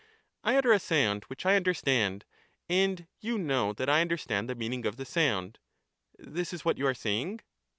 I utter a sound which I understand, and you know that I understand the meaning of the sound: this is what you are saying?